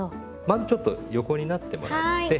まずちょっと横になってもらって。